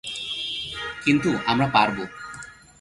কিন্তু, আমরা পারবো!